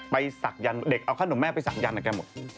ไปศักดิ์ยันต์เด็กเอาข้าวขนมแม่ไปศักดิ์ยันต์กับแกหมด